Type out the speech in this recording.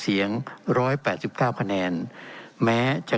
เป็นของสมาชิกสภาพภูมิแทนรัฐรนดร